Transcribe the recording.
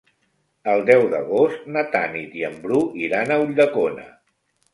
El deu d'agost na Tanit i en Bru iran a Ulldecona.